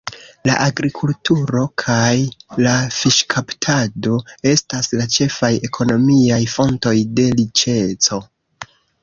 La agrikulturo kaj la fiŝkaptado estas la ĉefaj ekonomiaj fontoj de riĉeco.